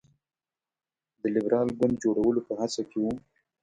د لېبرال ګوند جوړولو په هڅه کې وو.